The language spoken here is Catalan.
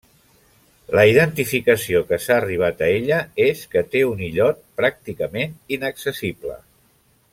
La identificació que s'ha arribat a ella és que té un illot pràcticament inaccessible.